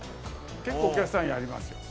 結構お客さんやりますよ。